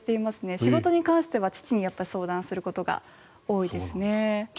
仕事に関しては父に相談することが多いですね。